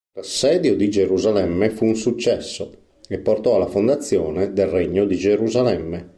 L'assedio di Gerusalemme fu un successo e portò alla fondazione del Regno di Gerusalemme.